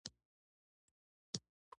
کچالو د لوی اختر له غوښې سره هم خوري